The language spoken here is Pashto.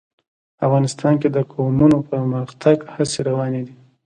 افغانستان کې د قومونه د پرمختګ هڅې روانې دي.